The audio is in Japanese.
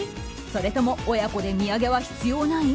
それとも親子で土産は必要ない？